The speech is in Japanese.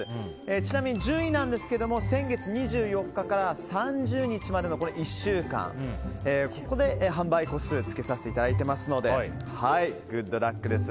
ちなみに順位ですが先月２４日から３０日までの１週間、ここで販売個数をつけさせていただいているのでグッドラックです。